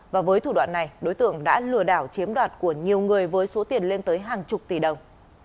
và với thủ đoạn này đối tượng đã lừa đảo chiếm đoạt của nhiều người với số tiền lên tới hàng chục tỷ đồng